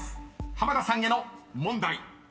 濱田さんへの問題］